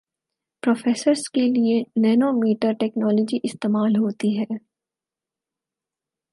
processors کے لئے nanometre technology استعمال ہوتی ہے